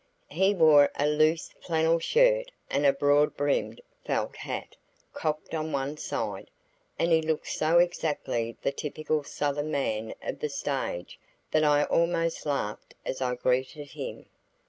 He wore a loose flannel shirt and a broad brimmed felt hat cocked on one side, and he looked so exactly the typical Southern man of the stage that I almost laughed as I greeted him.